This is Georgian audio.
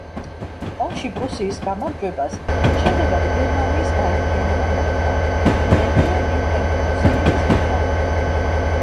ომში პრუსიის გამარჯვებას შედეგად გერმანიის გაერთიანება მოყვა, მეფე ვილჰემ პრუსიელის მეთაურობით.